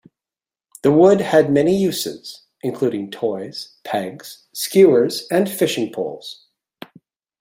The wood had many uses, including toys, pegs, skewers, and fishing poles.